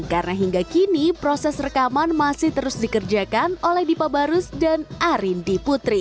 karena hingga kini proses rekaman masih terus dikerjakan oleh dipa barus dan arindi putri